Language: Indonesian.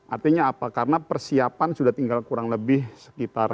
artinya apa karena persiapan sudah tinggal kurang lebih sekitar